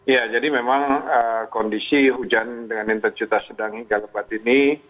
ya jadi memang kondisi hujan dengan intensitas sedang hingga lebat ini